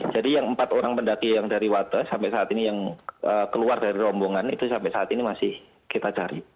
jadi yang empat orang pendaki yang dari wates sampai saat ini yang keluar dari rombongan itu sampai saat ini masih kita cari